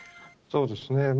そうですね。